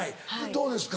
どうですか？